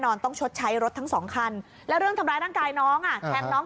ต้องชดใช้รถทั้งสองคันแล้วเรื่องทำร้ายร่างกายน้องอ่ะแทงน้อง